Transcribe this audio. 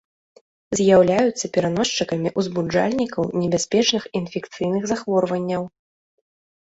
З'яўляюцца пераносчыкамі узбуджальнікаў небяспечных інфекцыйных захворванняў.